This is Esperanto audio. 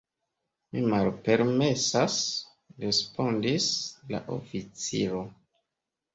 “Mi malpermesas,” respondis la oficiro.